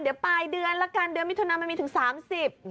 เดี๋ยวปลายเดือนละกันเดือนมิถุนามันมีถึงสามสิบ